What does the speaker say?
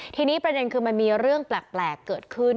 ทีนี้ประเด็นคือมันมีเรื่องแปลกเกิดขึ้น